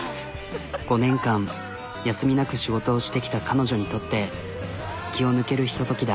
５年間休みなく仕事をしてきた彼女にとって気を抜けるひとときだ。